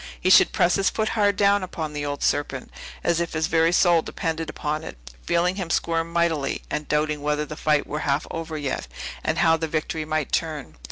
He should press his foot hard down upon the old serpent, as if his very soul depended upon it, feeling him squirm mightily, and doubting whether the fight were half over yet, and how the victory might turn!